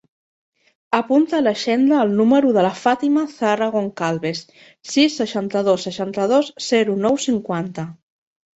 Apunta a l'agenda el número de la Fàtima zahra Goncalves: sis, seixanta-dos, seixanta-dos, zero, nou, cinquanta.